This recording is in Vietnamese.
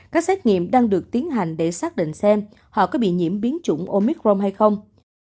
các xét nghiệm đang được tiến hành để xác định xem họ có bị nhiễm biến chủng omicron hay không